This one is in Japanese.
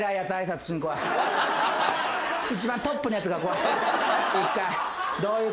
一番トップのやつが来い。